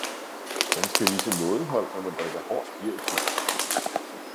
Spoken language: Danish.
Man skal vise mådehold, når man drikker hård spiritus